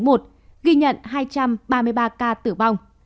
ghi nhận hai trăm ba mươi ba ca tử vong